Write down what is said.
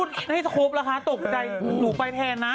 แต่ให้ทั้งคลอดค่ะตกใจหนูไปแทนนะ